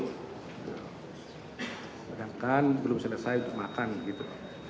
sedangkan belum selesai untuk makan gitu